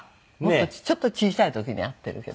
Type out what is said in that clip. ちょっと小さい時に会ってるけど。